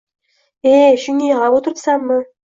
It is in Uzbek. E-e, shunga yigʻlab oʻtiribsanmi